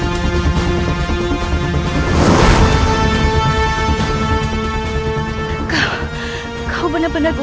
aku akan membuatmu mati